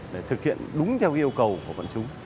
để thực hiện đúng theo yêu cầu của bọn chúng